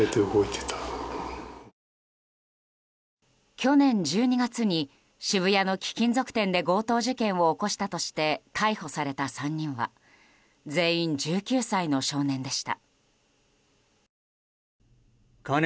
去年１２月に渋谷の貴金属店で強盗事件を起こしたとして逮捕された３人は全員、１９歳の少年でした。